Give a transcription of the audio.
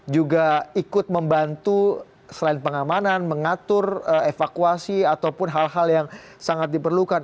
juga ikut membantu selain pengamanan mengatur evakuasi ataupun hal hal yang sangat diperlukan